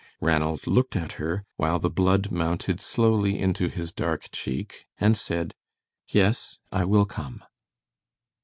Ranald looked at her, while the blood mounted slowly into his dark cheek, and said: "Yes, I will come."